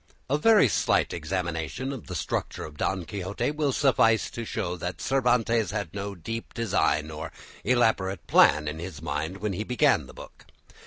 A very slight examination of the structure of "Don Quixote" will suffice to show that Cervantes had no deep design or elaborate plan in his mind when he began the book.